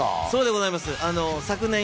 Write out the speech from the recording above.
そうです。